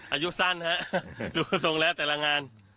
อายุสั้นฮะรูปทรงแล้วแต่ละงาน